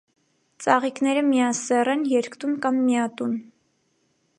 Ծաղիկները միասեռ են, երկտուն կամ միատուն։